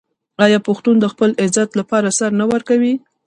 آیا پښتون د خپل عزت لپاره سر نه ورکوي؟